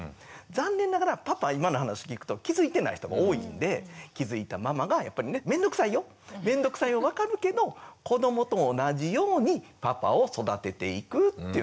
残念ながらパパ今の話聞くと気付いてない人が多いんで気付いたママがやっぱりね面倒くさいよ面倒くさいの分かるけど子どもと同じようにパパを育てていくっていうようなことをね